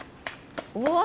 うわ。